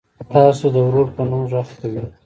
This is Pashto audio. تاسو ته د ورور په نوم غږ کوي.